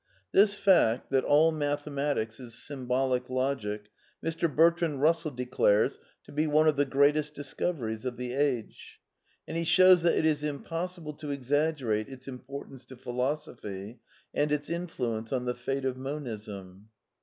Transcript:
®^ This fact, that ^^ all Mathematics is Symbolic Logic," Mr. Bertrand Bussell declares to be ^^ one of the greatest discoveries of the age "^ and he shows that it is impossible to exaggerate its importance to Philosophy and its influ ence on the fate of Monism.